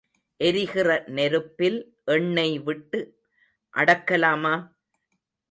எரிகிற நெருப்பில் எண்ணெய் விட்டு அடக்கலாமா?